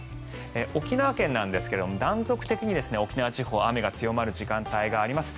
沖縄県なんですが断続的に沖縄地方は雨が強まる時間があります。